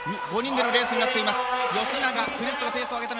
５人でのレースになっています。